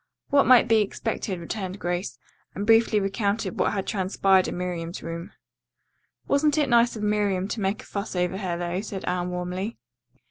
"What might be expected," returned Grace, and briefly recounted what had transpired in Miriam's room. "Wasn't it nice of Miriam to make a fuss over her, though?" said Anne warmly.